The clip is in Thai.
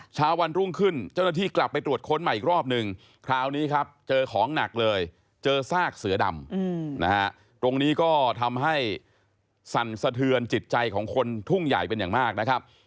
เช้าวันรุ่งขึ้นเจ้าหน้าที่กลับไปตรวจค้นใหม่อีกรอบนึงคราวนี้ครับเจอของหนักเลยเจอซากเสือดำนะฮะตรงนี้ก็ทำให้สั่นสะเทือนจิตใจของคนทุ่งใหญ่เป็นอย่างมากนะครับ